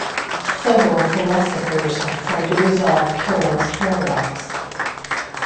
Several philosophers have tried to resolve Carroll's paradox.